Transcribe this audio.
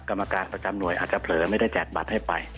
กรรมการประจำหน่วยอาจจะเผลอไม่ได้แจกบัตรให้ไป